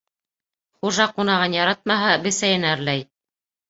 Хужа ҡунағын яратмаһа, бесәйен әрләй.